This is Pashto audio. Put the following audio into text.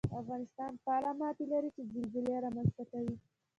افغانستان فعاله ماتې لري چې زلزلې رامنځته کوي